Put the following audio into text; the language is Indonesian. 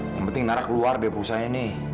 yang penting nara keluar dari perusahaan ini